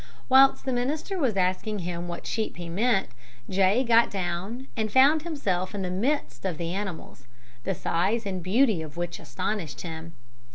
Whilst the minister was asking him what sheep he meant, J. got down and found himself in the midst of the animals, the size and beauty of which astonished him.